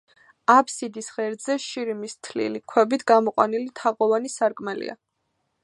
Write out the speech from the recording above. აბსიდის ღერძზე შირიმის თლილი ქვებით გამოყვანილი თაღოვანი სარკმელია.